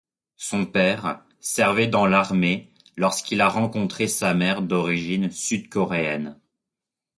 Son père servait dans l'armée lorsqu'il a rencontré sa mère d'origine sud-coréenne.